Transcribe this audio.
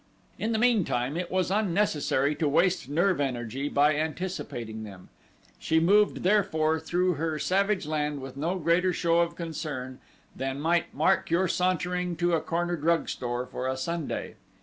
In the meantime it was unnecessary to waste nerve energy by anticipating them. She moved therefore through her savage land with no greater show of concern than might mark your sauntering to a corner drug store for a sundae.